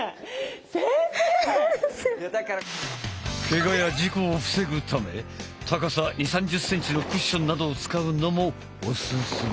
ケガや事故を防ぐため高さ２０３０センチのクッションなどを使うのもおすすめ。